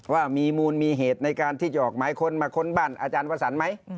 ว่ามีมูลมีเหตุในการที่จะออกหมายค้นมาค้นบ้านอาจารย์วสันไหม